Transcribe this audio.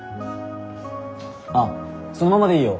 あっそのままでいいよ。